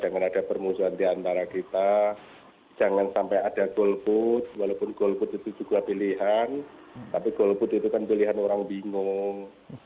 jangan ada permusuhan diantara kita jangan sampai ada golput walaupun golput itu juga pilihan tapi golput itu kan pilihan orang bingung